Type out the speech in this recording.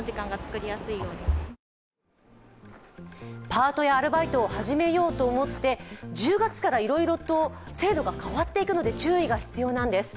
パートやアルバイトを始めようと思って１０月からいろいろと制度が変わっていくので注意が必要なんです。